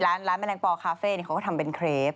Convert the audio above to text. ร้านแม่แรงปอล์คาเฟ่นี่เขาก็ทำเป็นครีป